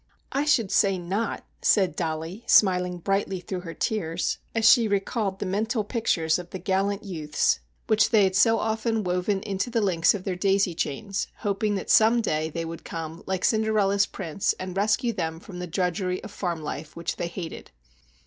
"I should say not," said Dollie, smiling brightly through her tears, as she recalled the mental pictures of the gallant youths which they had so often woven into the links of their daisy chains, hoping that some day they would come, like Cinderella's Prince, and rescue them from the drudgery of farm life, which they hated.